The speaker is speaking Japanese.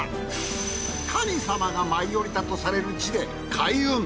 神様が舞い降りたとされる地で開運。